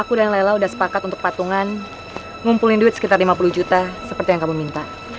aku dan lela udah sepakat untuk patungan ngumpulin duit sekitar lima puluh juta seperti yang kamu minta